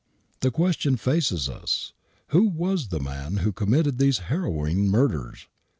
The question faces us, who was the man who committed these harrowing murders